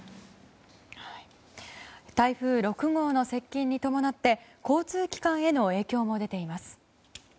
台風６号の接近に伴って交通機関への影響も出ています。